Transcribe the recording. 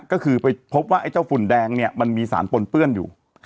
ก็คือไปพบว่าไอ้เจ้าฝุ่นแดงเนี่ยมันมีสารปนเปื้อนอยู่